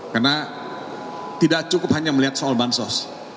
karena tidak cukup hanya melihat soal bansos